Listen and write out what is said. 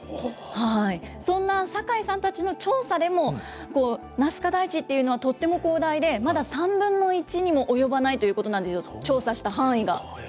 そんな坂井さんたちの調査でも、ナスカ台地というのはとっても広大で、まだ３分の１にも及ばないということなんです、調査した範囲が。